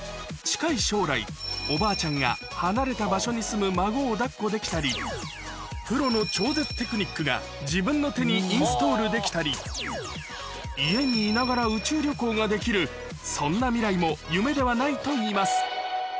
近い将来、おばあちゃんが離れた場所に住む孫をだっこできたり、プロの超絶テクニックが自分の手にインストールできたり、家にいながら宇宙旅行ができる、そんな未来も夢ではないといいます。